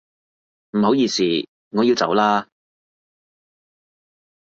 唔好意思，我要走啦